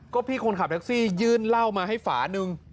ก็พี่คนขับแท็กซี่ยื่นเหล้ามาให้ฝานึง